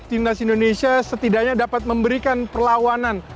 timnas indonesia setidaknya dapat memberikan perlawanan